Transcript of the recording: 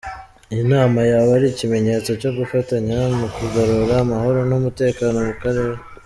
Iyi nama yaba ari ikimenyetso cyo gufatanya mu kugarura amahoro n’umutekano mu karere.